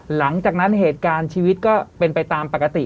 หลังจากนั้นเหตุการณ์ชีวิตก็เป็นไปตามปกติ